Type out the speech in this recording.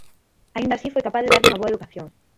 Aínda así foi capaz de darlle unha boa educación.